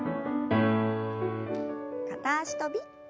片脚跳び。